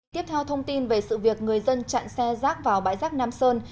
tiếp theo thông tin về sự việc người dân chặn xe rác vào bãi rác nam sơn